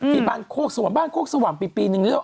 ที่บ้านโคกสว่างบ้านโคกสว่างปีนึงเรียกว่า